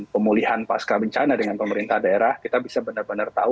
pemulihan pasca bencana dengan pemerintah daerah kita bisa benar benar tahu